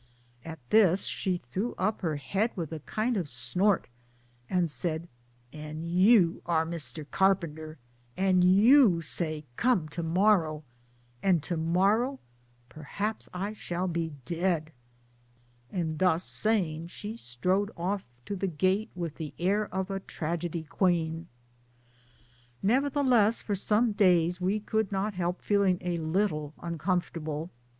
At this she threw up her head with a kind of snort, and said :" And you are Mr. Carpenter 1 and you say come to morrow and to morrow perhaps I shall be dead \" And thus saying she strode off to the gate with the air of a tragedy queen. Nevertheless for some days we could not help feel ing a little uncomfortable.